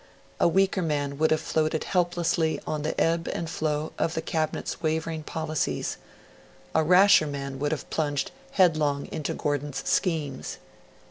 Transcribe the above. A weaker man would have floated helplessly on the ebb and flow of the Cabinet's wavering policies; a rasher man would have plunged headlong into Gordon's schemes.